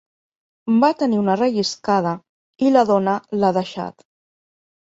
Va tenir una relliscada i la dona l'ha deixat.